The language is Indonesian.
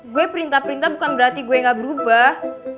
gue perintah perintah bukan berarti gue gak berubah